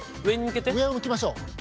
上を向きましょう。